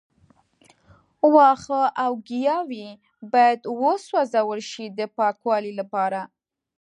وښه او ګیاوې باید وسوځول شي د پاکوالي لپاره.